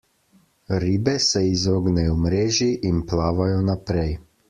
Ribe se izognejo mreži in plavajo naprej.